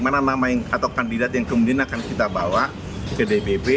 mana nama atau kandidat yang kemudian akan kita bawa ke dpp